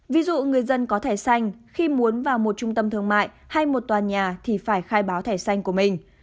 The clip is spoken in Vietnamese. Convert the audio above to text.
ví dụ người dân có thể xanh khi muốn vào một trung tâm thương mại hay một tòa nhà thì phải khai báo thẻ xanh của mình